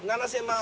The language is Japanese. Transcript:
７０００万。